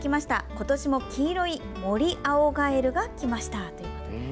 今年も黄色いモリアオガエルが来ました。